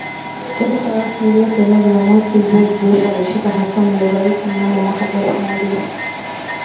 taarifa rasmi iliyotolewa JumamosiGeorge Bush alishika hatamu ya urais mnamo mwaka elfu moja